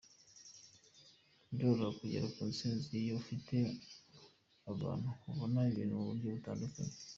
Biroroha kugera ku ntsinzi iyo ufite abantu babona ibintu mu buryo butandukanye.